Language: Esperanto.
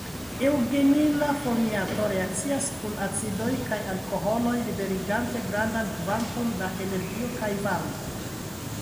Eŭgenila formiato reakcias kun acidoj kaj alkoholoj liberigante grandan kvanton da energio kaj varmo.